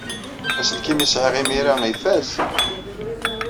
Aselkim ay sɛiɣ imir-a ifaz.